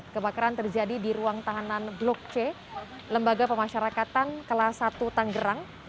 kebakaran terjadi di ruang tahanan blok c lembaga pemasyarakatan kelas satu tanggerang